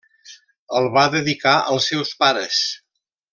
El va dedicar als seus pares.